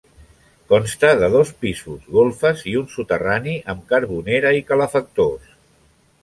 Consta de dos pisos, golfes i un soterrani amb carbonera i calefactors.